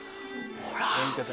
ほら！